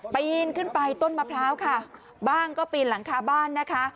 ปีนขึ้นไปต้นมะพร้าวค่ะบ้างก็ปีนหลังคาบ้านนะคะ